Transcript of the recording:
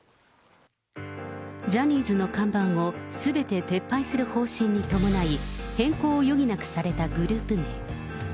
ジャニーズの看板をすべて撤廃する方針に伴い、変更を余儀なくされたグループ名。